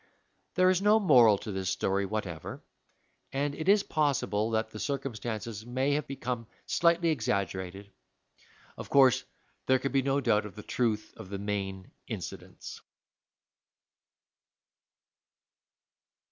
There is no moral to this story whatever, and it is possible that the circumstances may have become slightly exaggerated. Of course, there can be no doubt of the truth of the main incidents.